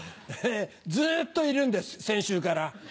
ずっといるんです先週から。